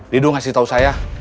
lidu ngasih tau saya